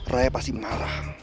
raya pasti marah